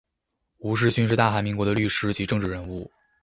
吴世勋是大韩民国的律师及政治人物。